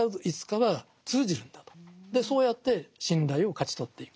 そうやって信頼を勝ち取っていくと。